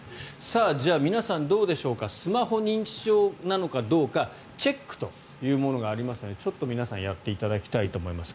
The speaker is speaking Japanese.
じゃあ、皆さんどうでしょうかスマホ認知症なのかどうかチェックというものがありますのでちょっと皆さんやっていただきたいと思います。